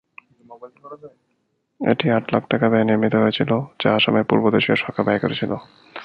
এটি আট লাখ টাকা ব্যয়ে নির্মিত হয়েছিল, যা আসামের পূর্ব প্রদেশীয় সরকার ব্যয় করেছিল।